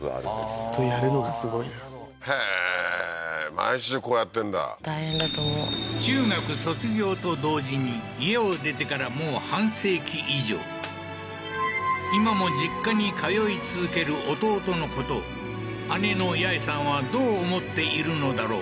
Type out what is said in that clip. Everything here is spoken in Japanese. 毎週こうやってんだ大変だと思う中学卒業と同時に家を出てからもう半世紀以上今も実家に通い続ける弟のことを姉の八枝さんはどう思っているのだろう？